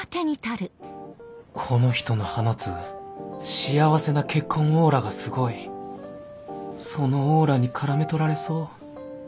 この人の放つ幸せな結婚オーラがすごいそのオーラにからめ捕られそう